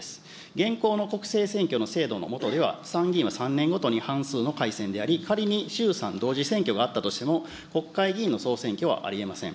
現行の国政選挙の制度の下では、参議院は３年ごとに半数の改選であり、仮に衆参同時選挙があったとしても、国会議員の総選挙はありえません。